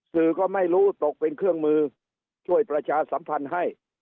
สื่อก็ไม่รู้ตกเป็นเครื่องมือช่วยประชาสัมพันธ์ให้